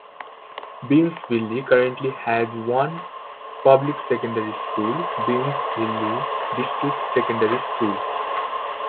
Beamsville currently has one public secondary school, Beamsville District Secondary School.